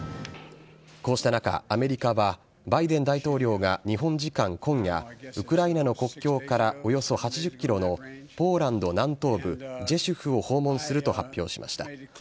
こうした中アメリカはバイデン大統領が日本時間今夜ウクライナの国境からおよそ８０ｋｍのポーランド南東部・ジェシュフを訪問すると発表しました。